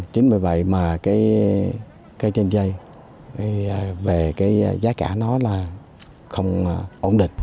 chính vì vậy mà cây chanh dây về cái giá cả nó là không ổn định